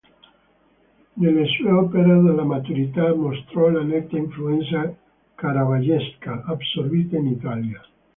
Nelle sue opere della maturità mostrò la netta influenza caravaggesca, assorbita in Italia.